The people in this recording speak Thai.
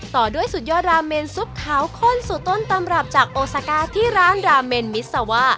ต่อด้วยสุดยอดราเมนซุปขาวข้นสูตรต้นตำรับจากโอซาก้าที่ร้านราเมนมิซาว่า